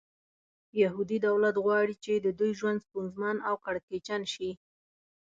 یهودي دولت غواړي چې د دوی ژوند ستونزمن او کړکېچن شي.